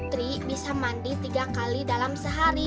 tri bisa mandi tiga kali dalam sehari